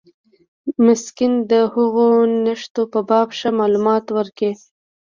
مسکین د هغو نښتو په باب ښه معلومات ورکړي.